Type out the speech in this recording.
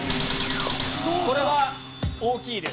これは大きいです。